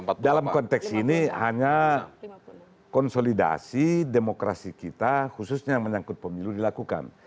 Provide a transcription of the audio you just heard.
jadi dalam konteks ini hanya konsolidasi demokrasi kita khususnya yang menyangkut pemilu dilakukan